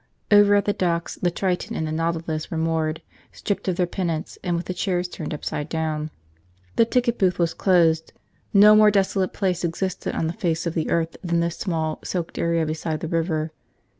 Over at the docks the Triton and the Nautilus were moored, stripped of their pennants and with the chairs turned upside down. The ticket booth was closed. No more desolate place existed on the face of the earth than this small, soaked area beside the river.